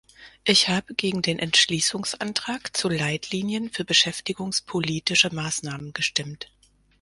Ich habe gegen den Entschließungsantrag zu Leitlinien für beschäftigungspolitische Maßnahmen gestimmt.